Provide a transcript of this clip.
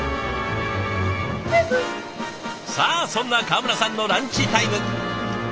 さあそんな川村さんのランチタイム。